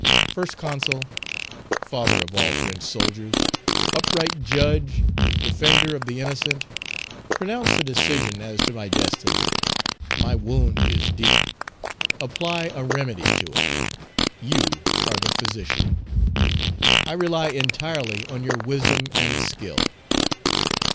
"First Consul, father of all French soldiers, upright judge, defender of the innocent, pronounce a decision as to my destiny: my wound is deep, apply a remedy to it: you are the physician; I rely entirely on your wisdom and skill."